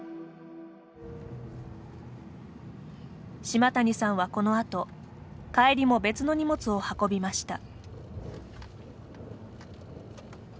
島谷さんはこのあと帰りも別の荷物を運びました。